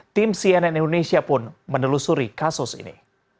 tim cnn indonesia pun menelusuri kasus ini